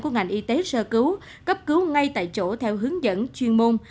của ngành y tế sơ cứu cấp cứu ngay tại chỗ theo hướng dẫn chuyên môn